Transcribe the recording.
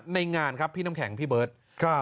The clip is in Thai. งานครับพี่น้ำแข็งพี่เบิร์ต